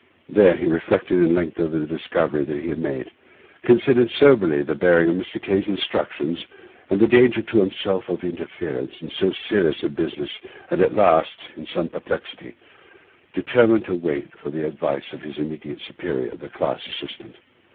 There he reflected at length over the discovery that he had made; considered soberly the bearing of Mr. K—'s instructions and the danger to himself of interference in so serious a business, and at last, in sore perplexity, determined to wait for the advice of his immediate superior, the class assistant.